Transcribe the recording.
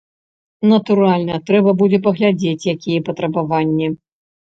Натуральна, трэба будзе паглядзець, якія патрабаванні.